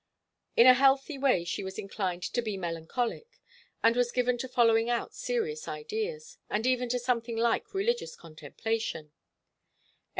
In a healthy way she was inclined to be melancholic, and was given to following out serious ideas, and even to something like religious contemplation.